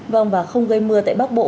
vâng và không gây mưa tại bắc bộ